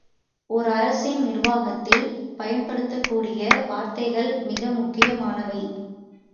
ஓர் அரசின் நிர்வாகத்தில் பயன்படுத்தக்கூடிய வார்த்தைகள் மிக முக்கியமானவை.